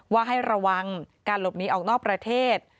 ว่าให้ระวังการหลบหนีออกนอกประเทศ